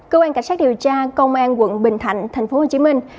cơ quan cảnh sát điều tra công an quận bình thạnh thành phố hồ chí minh